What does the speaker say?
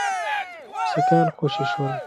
سیکهان خوشي شول.